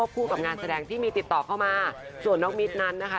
คู่กับงานแสดงที่มีติดต่อเข้ามาส่วนน้องมิตรนั้นนะคะ